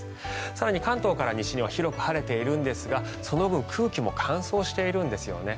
更に、関東から西は広く晴れているんですがその分空気も乾燥しているんですよね。